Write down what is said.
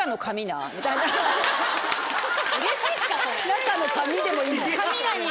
中の紙でもいいの？